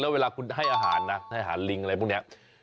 เวลาคุณให้อาหารนะให้อาหารลิงอะไรพวกนี้